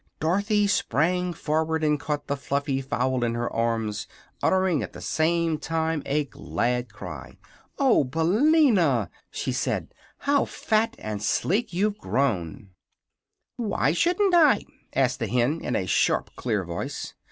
Dorothy sprang forward and caught the fluffy fowl in her arms, uttering at the same time a glad cry. "Oh, Billina!" she said; "how fat and sleek you've grown." "Why shouldn't I?" asked the hen, in a sharp, clear voice.